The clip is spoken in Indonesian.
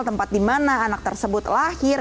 tempat dimana anak tersebut lahir